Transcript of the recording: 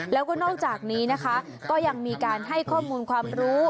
แล้วก็นอกจากนี้นะคะก็ยังมีการให้ข้อมูลความรู้